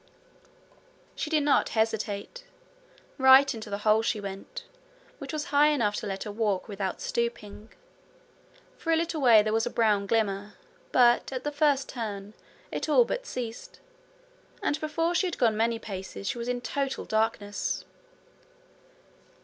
She did not hesitate. Right into the hole she went, which was high enough to let her walk without stooping. For a little way there was a brown glimmer, but at the first turn it all but ceased, and before she had gone many paces she was in total darkness.